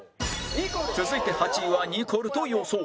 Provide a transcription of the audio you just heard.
続いて８位はニコルと予想